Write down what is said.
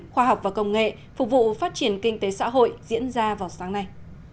khoa học và công nghệ phục vụ phát triển kinh tế xã hội diễn ra vào sáng nay